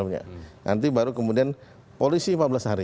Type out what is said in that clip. nanti baru kemudian polisi empat belas hari